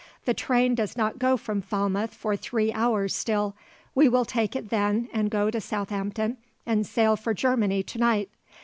"The train does not go from Falmouth for three hours still. We will take it then and go to Southampton and sail for Germany to night.